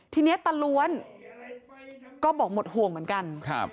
ทีนี้ตาล้วนก็บอกหมดห่วงเหมือนกันครับ